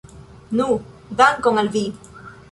Nu, dankon al vi!